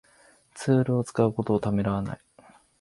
ツールを使うことをためらわない